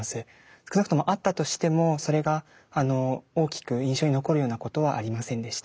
少なくともあったとしてもそれが大きく印象に残るようなことはありませんでした。